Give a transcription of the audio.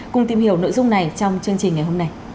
cùng tìm hiểu nội dung này trong chương trình ngày hôm nay